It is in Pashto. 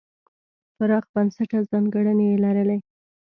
پراخ بنسټه ځانګړنې یې لرلې.